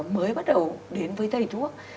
mới bắt đầu đến với tây thuốc